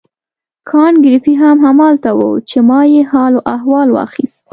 کانت ګریفي هم همالته وو چې ما یې حال و احوال واخیست.